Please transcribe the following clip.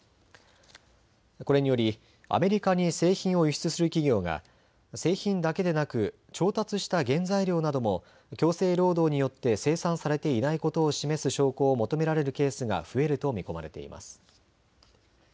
これによりアメリカに製品を輸出する企業が製品だけでなく調達した原材料なども強制労働によって生産されていないことを示す証拠を求められるケースが増えると見込まれています。